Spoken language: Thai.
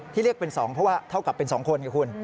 เรียกเป็น๒เพราะว่าเท่ากับเป็น๒คนไงคุณ